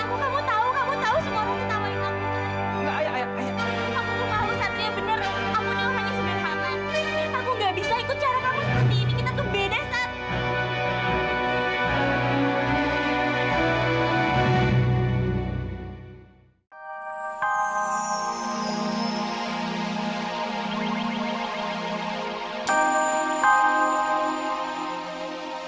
aku mau semua orang ketawain aku kamu tahu kamu tahu semua orang ketawain aku